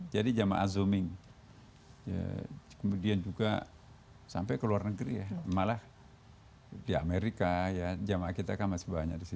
jadi jamaah zooming kemudian juga sampai ke luar negeri ya malah di amerika ya jamaah kita kan masih banyak disitu